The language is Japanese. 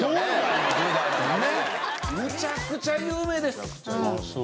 めちゃくちゃ有名。